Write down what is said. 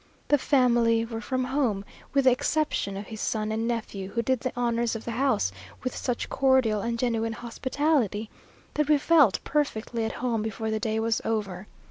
The family were from home, with the exception of his son and nephew, who did the honours of the house with such cordial and genuine hospitality, that we felt perfectly at home before the day was over.